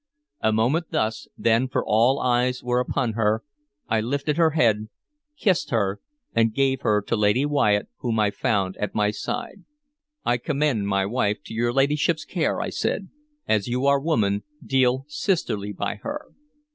A moment thus; then for all eyes were upon her I lifted her head, kissed her, and gave her to Lady Wyatt, whom I found at my side. "I commend my wife to your ladyship's care," I said. "As you are woman, deal sisterly by her!"